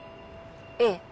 ええ。